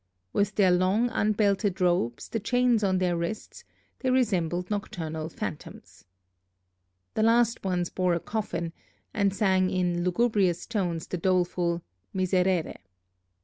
With their long unbelted robes, the chains on their wrists, they resembled nocturnal phantoms. The last ones bore a coffin, and sang in lugubrious tones the doleful 'Miserere.'